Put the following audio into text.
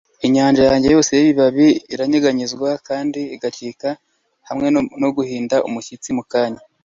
Inyanja yose yibibabi iranyeganyezwa kandi igacika hamwe no guhinda umushyitsi mukanya